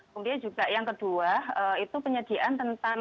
kemudian juga yang kedua itu penyediaan tentang